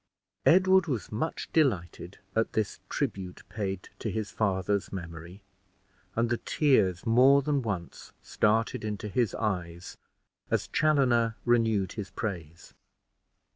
Edward was much delighted at this tribute paid to his father's memory; and the tears more than once started into his eyes as Chaloner renewed his praise.